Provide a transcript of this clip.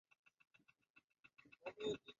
wanafunzi kumi na tano walifukuzwa shule